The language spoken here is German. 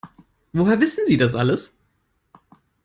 Woher wissen Sie das alles?